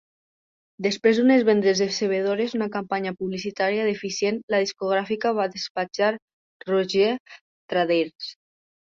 Després d'unes vendes decebedores i una campanya publicitària deficient, la discogràfica va despatxar Rogue Traders.